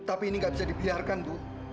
tapi ini nggak bisa dibiarkan bu